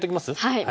はい。